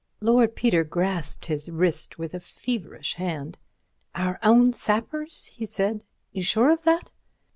Lord Peter grasped his wrist with a feverish hand. "Our own sappers," he said; "sure of that?"